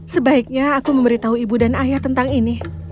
sebaiknya aku memberitahu ibu dan ayah tentang ini